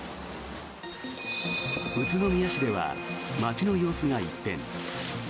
宇都宮市では街の様子が一変。